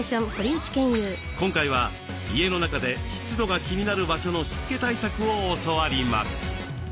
今回は家の中で湿度が気になる場所の湿気対策を教わります。